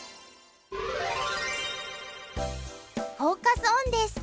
フォーカス・オンです。